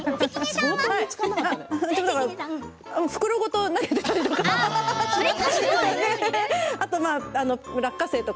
袋ごと投げていたりとか。